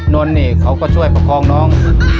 นนท์นี่เขาก็ช่วยประคองน้อง